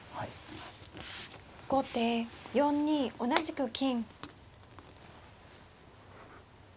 後手４二同じく金。